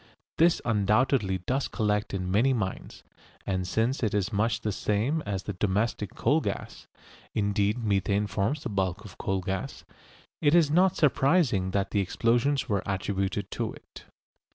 This undoubtedly does collect in many mines, and since it is much the same as the domestic coal gas (indeed methane forms the bulk of coal gas) it is not surprising that the explosions were attributed to it.